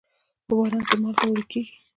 په باران کې مالګه وړي کېږي.